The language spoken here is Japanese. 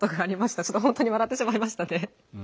ちょっと本当に笑ってしまいましたね。